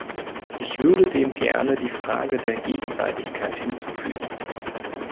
Ich würde dem gerne die Frage der Gegenseitigkeit hinzufügen.